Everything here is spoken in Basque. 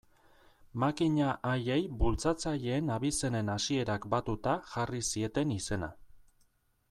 Makina haiei bultzatzaileen abizenen hasierak batuta jarri zieten izena.